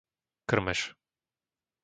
Krmeš